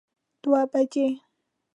دوه بجی